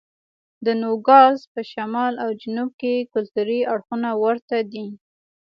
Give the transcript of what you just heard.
د نوګالس په شمال او جنوب کې کلتوري اړخونه ورته دي.